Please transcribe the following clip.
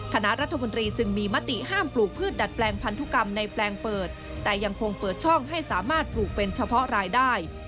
คณะรัฐมนตรีจึงมีมติห้ามปลูกพืชดัดแปลงพันธุกรรมในแปลงเปิดแต่ยังคงเปิดช่องให้สามารถปลูกเป็นเฉพาะรายได้